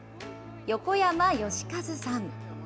横山喜和さん。